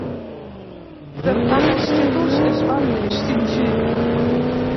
Per tant, els títols es van extingir.